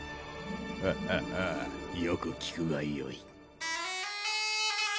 ハハハッよく聴くがよい。